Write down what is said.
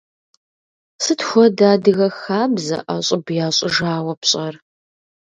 Сыт хуэдэ адыгэ хабзэ ӏэщӏыб ящӏыжауэ пщӏэр?